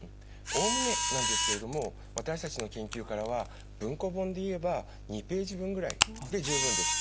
おおむねなんですけれども私たちの研究からは文庫本で言えば２ページ分ぐらいで十分です。